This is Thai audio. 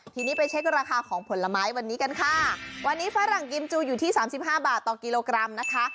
ทีนี้ไปเช็คราคาของผลไม้วันนี้กันค่ะวันนี้ฝรั่งกิมจูอยู่ที่สามสิบห้าบาทต่อกิโลกรัมนะคะ